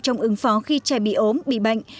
trong ứng phó khi trẻ bị ốm bị bệnh